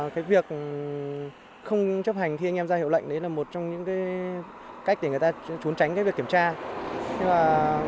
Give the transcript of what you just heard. cái việc không chấp hành khi anh em ra hiệu lệnh đấy là một trong những cách để người ta trốn tránh việc kiểm tra